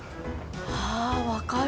ああ分かる。